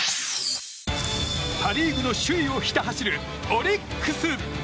パ・リーグの首位をひた走るオリックス。